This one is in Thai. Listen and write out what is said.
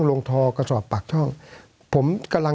สวัสดีครับทุกคน